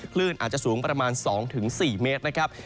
คลื่นอาจจะสูงประมาณ๒๔เมตรนะครับ